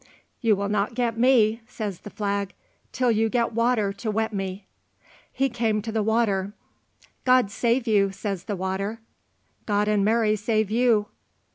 "You will not get me," says the flag, "till you get water to wet me." He came to the water. "God save you," says the water. "God and Mary save you."